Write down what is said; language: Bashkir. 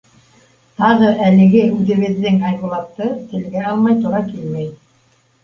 Тағы әлеге үҙебеҙҙең Айбулатты телгә алмай тура килмәй.